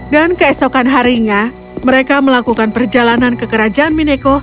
dan keesokan harinya mereka melakukan perjalanan ke kerajaan mineko